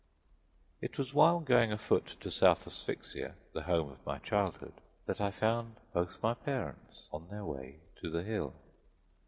It was while going afoot to South Asphyxia, the home of my childhood, that I found both my parents on their way to the Hill.